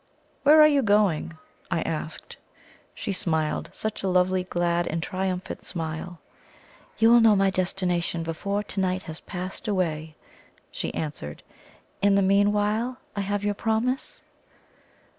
"Where are you going?" I asked. She smiled. Such a lovely, glad, and triumphant smile! "You will know my destination before to night has passed away," she answered. "In the meanwhile I have your promise?"